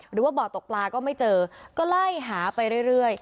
หรือว่าบ่อตกปลาก็ไม่เจอก็ไล่หาไปเรื่อย